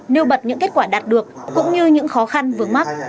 nêu bật những kết quả đạt được cũng như những khó khăn vướng mắt